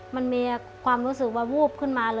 มันมีความรู้สึกว่าวูบขึ้นมาเลย